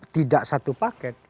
tidak satu paket